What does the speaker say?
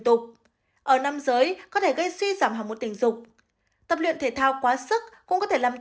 tục ở năm giới có thể gây suy giảm hỏng mũ tình dục tập luyện thể thao quá sức cũng có thể làm